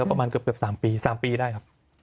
ประมาณเกือบ๓ปี๓ปีได้ครับ